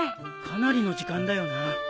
かなりの時間だよな。